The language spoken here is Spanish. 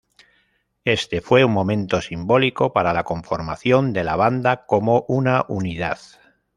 Este fue un momento simbólico para la conformación de la banda como una unidad.